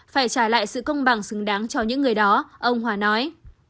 phải trả lại sự công bằng xứng đáng cho những người đó ông hòa nói